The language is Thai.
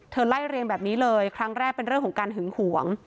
ไล่เรียงแบบนี้เลยครั้งแรกเป็นเรื่องของการหึงหวง